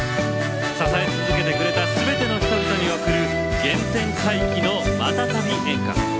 支え続けてくれたすべての人々に贈る原点回帰の股旅演歌。